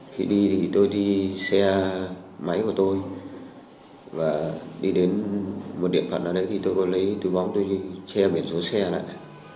khi đi thì tôi đi xe máy của tôi và đi đến một địa phận ở đấy thì tôi có lấy túi bóng tôi đi che biển số xe lại